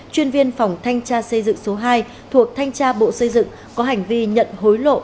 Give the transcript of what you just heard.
chuyên viên phòng thanh tra xây dựng số hai thuộc thanh tra bộ xây dựng có hành vi nhận hối lộ